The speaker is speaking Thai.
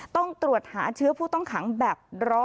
ต้องตรวจหาเชื้อผู้ต้องขังแบบ๑๐๐